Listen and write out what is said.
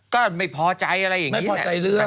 ก็ไม่พอใจอะไรอย่างนี้แหละไม่พอใจเรื่อง